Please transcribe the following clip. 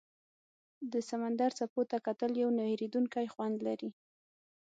د سمندر څپو ته کتل یو نه هېریدونکی خوند لري.